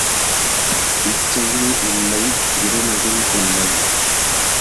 இச்சையும் இல்லை இருமையும் இல்லை.